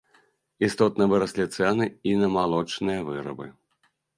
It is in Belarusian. Істотна выраслі цэны і на малочныя вырабы.